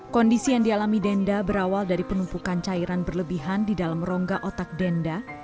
kondisi yang dialami denda berawal dari penumpukan cairan berlebihan di dalam rongga otak denda